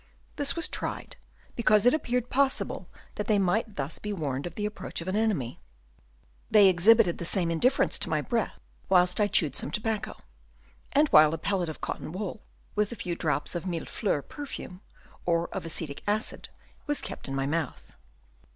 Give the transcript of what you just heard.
This was tried, because it appeared possible that they might thus be warned of the approach of an enemy. They exhibited the same indifference to my breath whilst I chewed some tobacco, and while a pellet of cotton wool with a few drops of millefleurs perfume or of acetic acid was kept in my mouth.